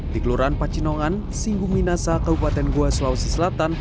di geloraan pacinongan singgumi nasa kabupaten goa sulawesi selatan